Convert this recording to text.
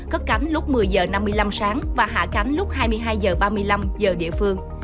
cất cánh lúc một mươi h năm mươi năm sáng và hạ cánh lúc hai mươi hai h ba mươi năm giờ địa phương